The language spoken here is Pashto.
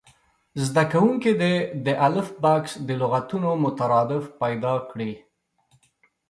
زده کوونکي دې د الف بکس د لغتونو مترادف پیدا کړي.